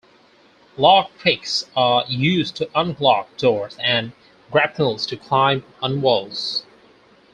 Lock picks are used to unlock doors and grapnels to climb on walls.